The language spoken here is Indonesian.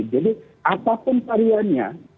jadi apapun variannya